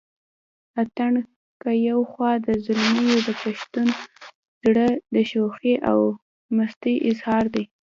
اتڼ که يو خوا د زلميو دپښتون زړه دشوخۍ او مستۍ اظهار دے